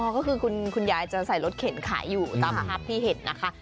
ก็คือคุณยายจะใส่รถเข็นขายอยู่ตามภาพที่เห็นนะคะ